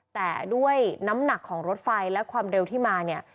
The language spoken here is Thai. แต่ด้วยน้ำหนักของรถไฟและความเร็วที่มาเนี่ย